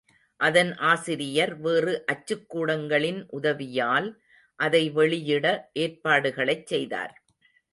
அதன் ஆசிரியர் வேறு அச்சுக்கூடங்களின் உதவியால் அதை வெளியிட ஏற்பாடுகளைச் செய்தார்.